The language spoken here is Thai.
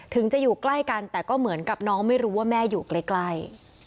ถึงจะอยู่ใกล้กันแต่ก็เหมือนกับน้องไม่รู้ว่าแม่อยู่ใกล้